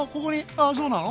ああそうなの？